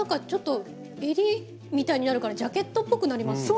えりみたいになるからジャケットっぽくなりますね。